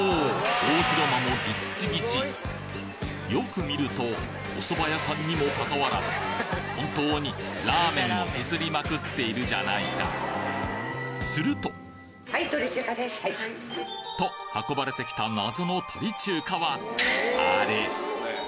大広間もギッチギチよく見るとおそば屋さんにもかかわらず本当にラーメンをすすりまくっているじゃないかするとと運ばれてきた謎の鳥中華はあれ？